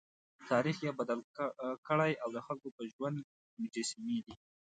تاریخ یې بدل کړی او د خلکو په ژوند مجسمې دي.